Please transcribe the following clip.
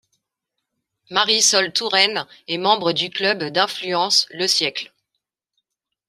Marisol Touraine est membre du club d'influence Le Siècle.